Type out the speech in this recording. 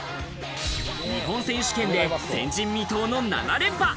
日本選手権で前人未到の７連覇。